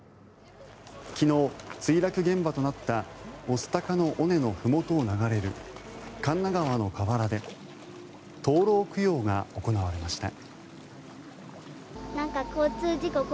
昨日、墜落現場となった御巣鷹の尾根のふもとを流れる神流川の河原で灯ろう供養が行われました。